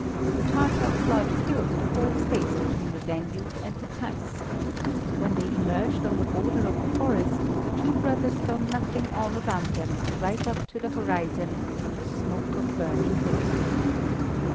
The Tatar flood filled the whole space between the Danube and the Theiss. When they emerged on the border of a forest, the two brothers saw nothing all around them, right up to the horizon, but the smoke of burning villages.